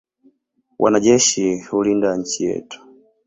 Wanajeshi hulinda nchi yetu.